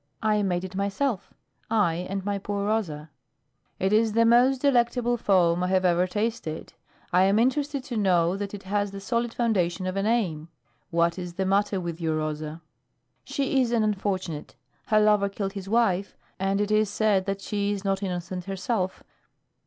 "I made it myself I and my poor Rosa." "It is the most delectable foam I have ever tasted. I am interested to know that it has the solid foundation of a name. What is the matter with your Rosa?" "She is an unfortunate. Her lover killed his wife, and it is said that she is not innocent herself.